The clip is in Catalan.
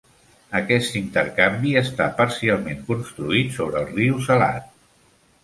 Aquest intercanvi està parcialment construït sobre el riu salat.